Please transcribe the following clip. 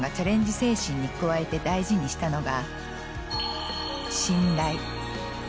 精神に加えて大事にしたのが。